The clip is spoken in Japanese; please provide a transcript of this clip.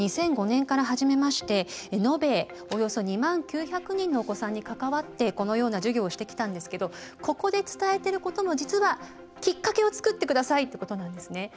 ２００５年から始めまして延べおよそ２万９００人のお子さんに関わってこのような授業をしてきたんですけどここで伝えてることも実は「きっかけを作って下さい」ってことなんですね。